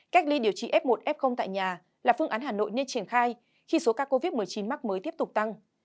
cách ly điều trị f một f tại nhà là phương án hà nội nên triển khai khi số ca covid một mươi chín mắc mới tiếp tục tăng